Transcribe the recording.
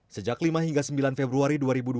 sejak lima hingga sembilan februari dua ribu dua puluh